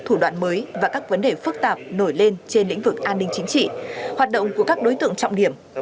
thủ đoạn mới và các vấn đề phức tạp nổi lên trên lĩnh vực an ninh chính trị hoạt động của các đối tượng trọng điểm